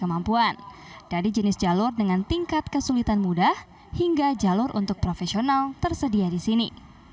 kemampuan dari jenis jalur dengan tingkat kesulitan mudah hingga jalur untuk profesional tersedia di sini